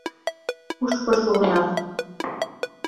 Кушко шуынат...